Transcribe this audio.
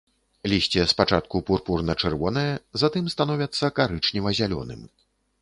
Лісце спачатку пурпурна-чырвонае, затым становяцца карычнева-зялёным.